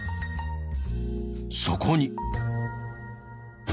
そこに。